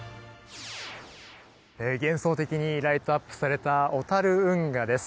幻想的にライトアップされた小樽運河。